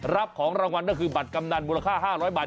รับของรางวัลก็คือบัตรกำนันมูลค่า๕๐๐บาท